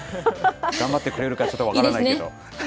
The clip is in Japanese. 頑張ってくれるかちょっと分からいいですね。